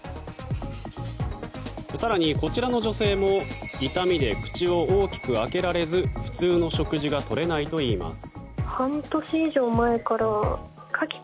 更に、こちらの女性も痛みで口を大きく開けられず普通の食事が取れないといいます。